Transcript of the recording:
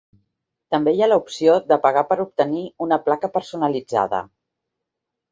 També hi ha l'opció de pagar per obtenir una placa personalitzada.